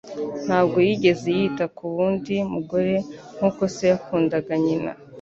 Ntabwo yigeze yita ku wundi mugore nk'uko se yakundaga nyina.